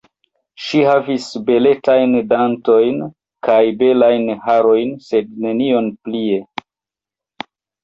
Ŝi havis beletajn dentojn kaj belajn harojn, sed nenion plie.